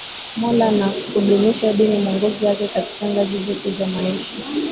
Mola na kudumisha dini mwongozo yake katika ngazi zote za maisha